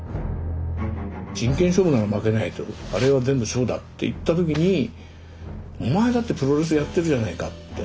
真剣勝負なら負けないとあれは全部ショーだって言った時にお前だってプロレスやってるじゃないかって。